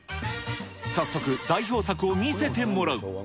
早速、代表作を見せてもらう。